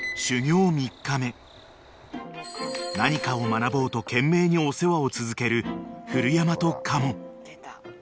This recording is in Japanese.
［何かを学ぼうと懸命にお世話を続ける古山と嘉門］